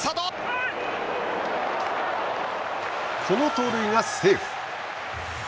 この盗塁がセーフ。